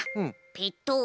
ペト。